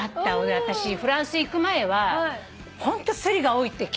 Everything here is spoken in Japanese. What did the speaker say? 私フランス行く前はホントすりが多いって聞いてて。